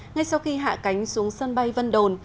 ngay sau khi hạ cánh xuống sân bay vân đồn